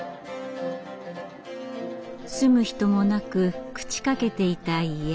住む人もなく朽ちかけていた家。